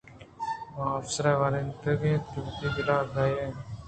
آافسر وانندگ اِنت ءُوتی دل ئیگاں کنت